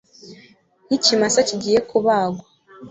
Nkikimasa kigiye kubagwa